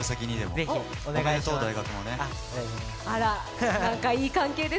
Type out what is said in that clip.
ぜひお願いします。